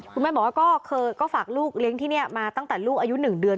คุณแม่บอกว่าก็ฝากลูกเลี้ยงที่นี่มาตั้งแต่ลูกอายุ๑เดือน